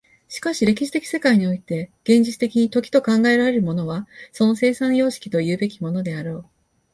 しかし歴史的世界において現実的に時と考えられるものはその生産様式というべきものであろう。